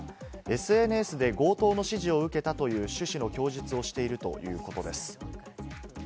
ＳＮＳで強盗の指示を受けたという趣旨の供述をしているということです。